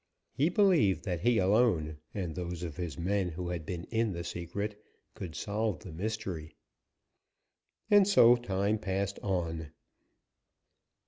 He believed that he alone, and those of his men who had been in the secret, could solve the mystery. And so time passed on.